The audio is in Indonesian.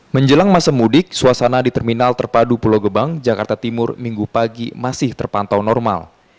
menjelang masa mudik suasana di terminal terpadu pulau gebang jakarta timur minggu pagi masih terpantau normal